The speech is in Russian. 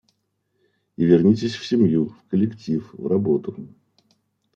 И вернитесь в семью, в коллектив, в работу!